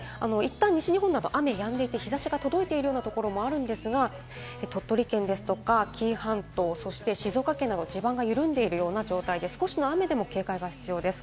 いったん西日本など雨やんでいて、日差しが届いているようなところもあるんですが、鳥取県ですとか、紀伊半島、そして静岡県などで地盤が緩んでいるような状態で、少しの雨でも警戒が必要です。